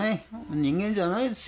人間じゃないですよ